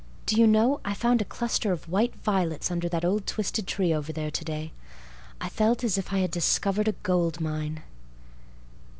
Do you know, I found a cluster of white violets under that old twisted tree over there today? I felt as if I had discovered a gold mine."